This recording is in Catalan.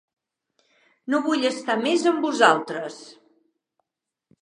No vull estar més amb vosaltres.